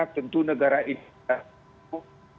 tentu negara itu